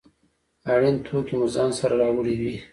اړین توکي مو ځان سره راوړي وي.